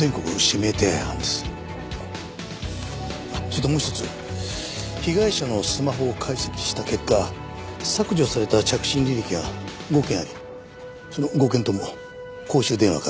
それともう一つ被害者のスマホを解析した結果削除された着信履歴が５件ありその５件とも公衆電話からのものでした。